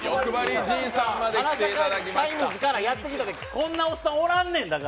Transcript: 「花咲かタイムズ」からやってきたって、こんなおっさんおらんねん。